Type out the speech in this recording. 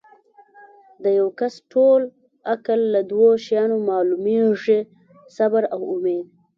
د یو کس ټول عقل لۀ دوه شیانو معلومیږي صبر او اُمید